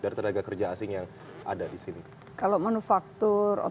bagaimana menurut anda bagaimana menurut anda menurut anda menurut anda menurut anda menurut anda menurut anda